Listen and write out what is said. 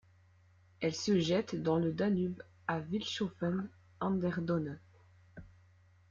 Elle se jette dans le Danube à Vilshofen an der Donau.